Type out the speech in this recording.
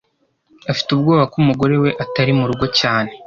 Afite ubwoba ko umugore we atari murugo cyane.